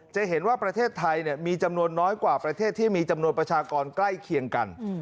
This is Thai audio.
จะเห็นว่าประเทศไทยมีจำนวนน้อยกว่าประเทศที่มีจำนวนประชากรใกล้เคียงกัน